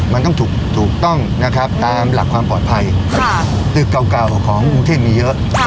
มันต้องถูกต้องนะครับตามหลักความปลอดภัยตึกเก่าเก่าของกรุงเทพมีเยอะ